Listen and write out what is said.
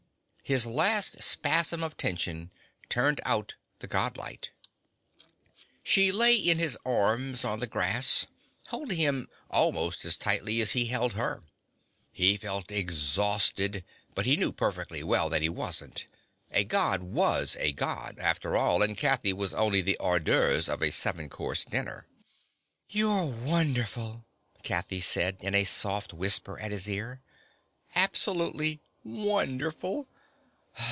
His last spasm of tension turned out the God light. She lay in his arms on the grass, holding him almost as tightly as he held her. He felt exhausted, but he knew perfectly well that he wasn't. A God was a God, after all, and Kathy was only the hors d'oeuvres of a seven course dinner. "You're wonderful," Kathy said in a soft whisper at his ear. "Absolutely wonderful.